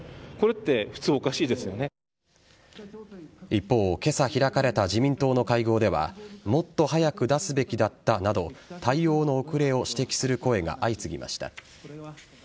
一方、今朝開かれた自民党の会合ではもっと早く出すべきだったなど対応の遅れを指摘する声が相次ぎました。